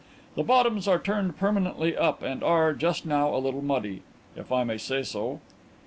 The bottoms are turned permanently up and are, just now, a little muddy, if I may say so."